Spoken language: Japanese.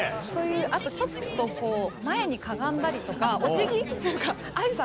あとちょっとこう前にかがんだりとかお辞儀何か挨拶。